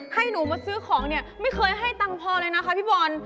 ให้หนูมาซื้อของเนี่ยไม่เคยให้ตังค์พอเลยนะคะพี่บอล